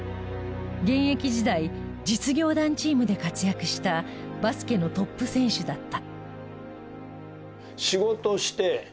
現役時代実業団チームで活躍したバスケのトップ選手だった。